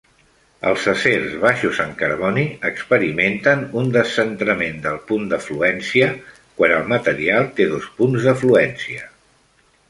Els acers baixos en carboni experimenten un descentrament del punt de fluència quan el material té dos punts de fluència.